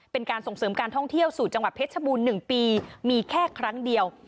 เป็นการส่งเสริมการท่องเที่ยวสู่จังหวัดเพชรบูรณ์๑ปีมีแค่ครั้งเดียว